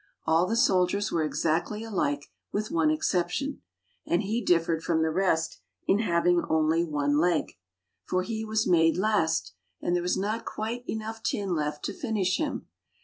All the soldiers were exactly alike with one exception, and he differed from the rest in having only one leg. For he was made last, and there was not quite enough tin left to finish him.